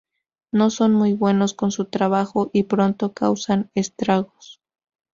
No son muy buenos en su trabajo, y pronto causan estragos.